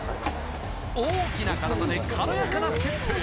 大きな体で軽やかなステップ！